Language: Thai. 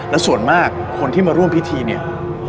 และส่วนมากคนที่มาร่วมพิธีเนี่ย